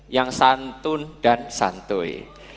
yang santun dan santuy